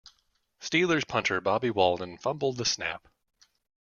Steelers punter Bobby Walden fumbled the snap.